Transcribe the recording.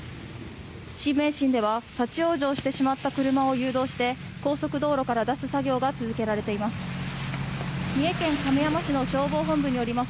新名神では立往生してしまった車を誘導して高速道路から出す作業が続けられています。